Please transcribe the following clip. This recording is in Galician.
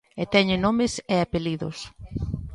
E teñen nomes e apelidos.